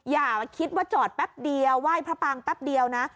อย่าคิดว่าจอดแป๊บเดียวไหว้พระปางแป๊บเดียวนะ